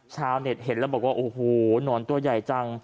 ชาวเน็ตเห็นแล้วบอกว่าโอ้โหหนอนตัวใหญ่จัง